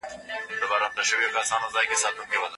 په سياست کې تل د علمي تيوريو له عملي اړخونو ګټه اخيستل کېږي.